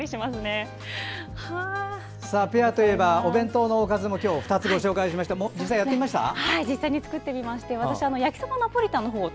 ペアといえばお弁当のおかずを２つご紹介しまして実際に作ってみまして私、焼きそばナポリタンのほうを